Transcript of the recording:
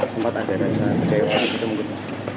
sempat ada rasa kecewa gitu mungkin